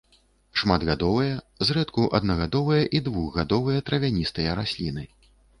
Шматгадовыя, зрэдку аднагадовыя і двухгадовыя травяністыя расліны.